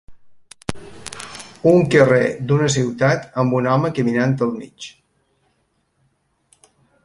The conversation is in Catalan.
Un carrer d'una ciutat amb un home caminant al mig